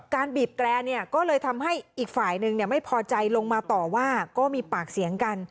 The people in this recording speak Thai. บีบแตรเนี่ยก็เลยทำให้อีกฝ่ายนึงไม่พอใจลงมาต่อว่าก็มีปากเสียงกัน